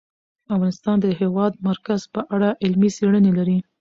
افغانستان د د هېواد مرکز په اړه علمي څېړنې لري.